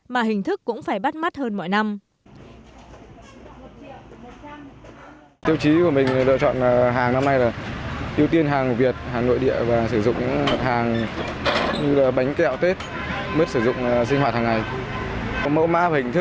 mà hình thức cũng phải bắt mắt hơn mọi năm